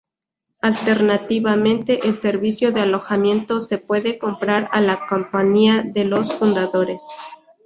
Alternativamente, el servicio de alojamiento se puede comprar a la compañía de los fundadores.